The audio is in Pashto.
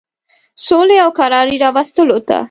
سولي او کراري راوستلو ته.